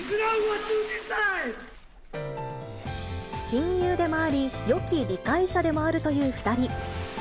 親友でもあり、よき理解者でもあるという２人。